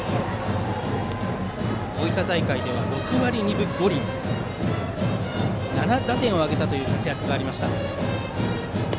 大分大会では６割２分５厘７打点を挙げたという活躍がありました。